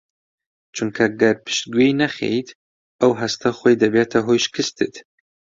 چونکە گەر پشتگوێی نەخەیت ئەو هەستە خۆی دەبێتە هۆی شکستت